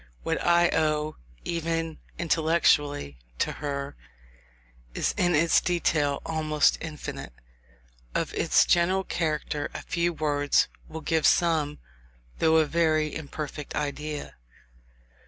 What I owe, even intellectually, to her, is in its detail, almost infinite; of its general character a few words will give some, though a very imperfect, idea.